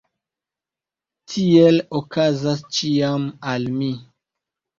Tiel okazas ĉiam al mi.